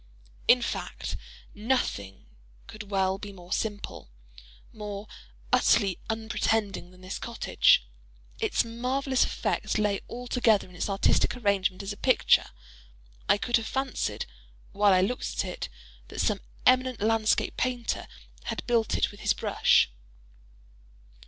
In fact nothing could well be more simple—more utterly unpretending than this cottage. Its marvellous effect lay altogether in its artistic arrangement as a picture. I could have fancied, while I looked at it, that some eminent landscape painter had built it with his brush.